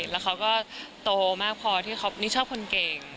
แล้วเขาก็โตมากพอที่เขานี่ชอบคนเก่ง